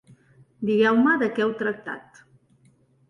Digueu-me de què heu tractat.